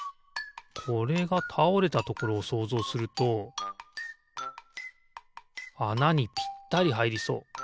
これがたおれたところをそうぞうするとあなにぴったりはいりそう。